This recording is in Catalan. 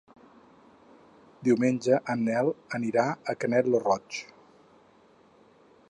Diumenge en Nel anirà a Canet lo Roig.